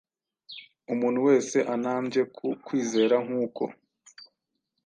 Umuntu wese anambye ku kwizera nk’uko,